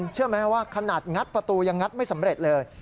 เชื่อไหมว่าขนาดงัดประตูยังงัดไม่สำเร็จเลย